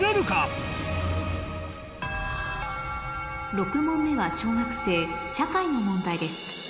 ６問目は小学生社会の問題です